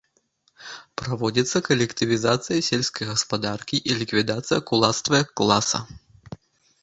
Праводзіцца калектывізацыя сельскай гаспадаркі і ліквідацыя кулацтва як класа.